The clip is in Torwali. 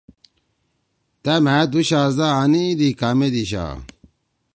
تأ مھأ دُوشہزَدا آنیِدی کامے دیِشا